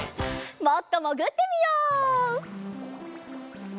もっともぐってみよう！